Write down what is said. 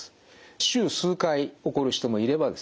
週数回起こる人もいればですね